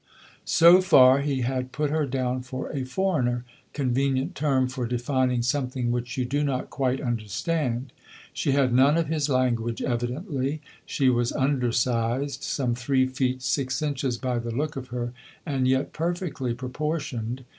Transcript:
So far he had put her down for "a foreigner," convenient term for defining something which you do not quite understand. She had none of his language, evidently; she was undersized, some three feet six inches by the look of her, and yet perfectly proportioned.